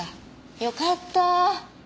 よかったぁ。